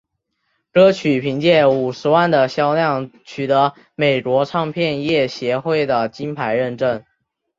歌曲凭借五十万份的销量取得美国唱片业协会的金牌认证。